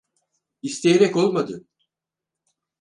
İsteyerek olmadı.